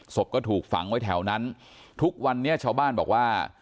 ศพก็ถูกฝังไว้แถวนั้นทุกวันนี้ชาวบ้านบอกว่า